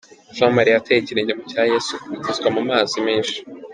Jean Marie yateye ikirenge mu cya Yesu abatizwa mu mazi menshi.